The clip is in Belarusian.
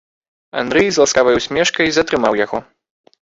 Андрэй з ласкавай усмешкай затрымаў яго.